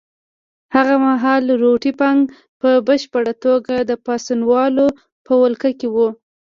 هغه مهال روټي فنک په بشپړه توګه د پاڅونوالو په ولکه کې وو.